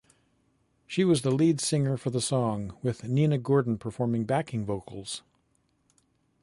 She was the lead singer for the song, with Nina Gordon performing backing vocals.